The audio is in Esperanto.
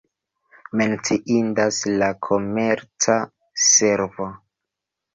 Menciindas la komerca servo.